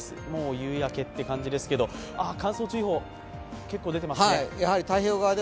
夕焼けという感じですが乾燥注意報、結構出てますね。